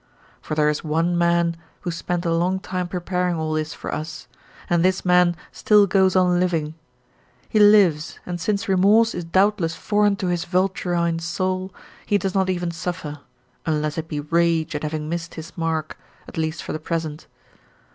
For there is one man who spent a long time preparing all this for us, and this man still goes on living; he lives, and since remorse is doubtless foreign to his vulturine soul, he does not even suffer, unless it be rage at having missed his mark, at least for the present.